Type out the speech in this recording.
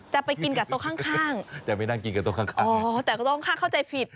จะไปกินกับโต๊ะข้างจะไปนั่งกินกับโต๊ะข้างอ๋อแต่ก็ต้องเข้าใจผิด